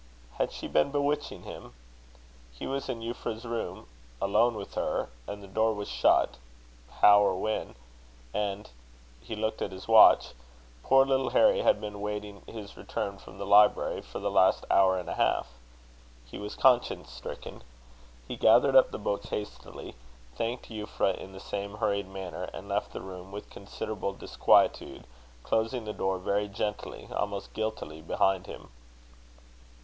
Had she been bewitching him? He was in Euphra's room alone with her. And the door was shut how or when? And he looked at his watch poor little Harry had been waiting his return from the library, for the last hour and a half. He was conscience stricken. He gathered up the books hastily, thanked Euphra in the same hurried manner, and left the room with considerable disquietude, closing the door very gently, almost guiltily, behind him.